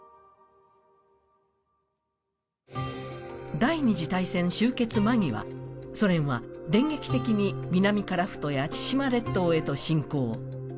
第二次大戦終結間際、ソ連は電撃的に南樺太や千島列島へと侵攻。